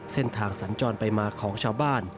เส้นทางสัญจรไปมาของชาวบ้าน